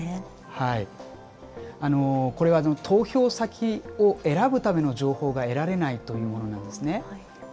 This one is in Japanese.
はい、これは投票先を選ぶための情報が得られないというものなんですね。